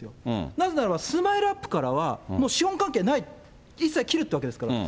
なぜならば、ＳＭＩＬＥーＵＰ．からは資本関係ない、一切、切るってわけですから。